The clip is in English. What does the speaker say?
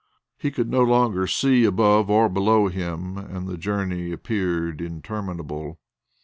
He could no longer see above or below him and the journey appeared interminable.